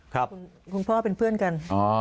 คุณพ่อเป็นเพื่อนกัน